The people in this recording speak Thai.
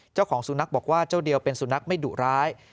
เจ้าของสุนัขบอกว่าเจ้าเดียวเป็นสุนัขไม่ดุร้าย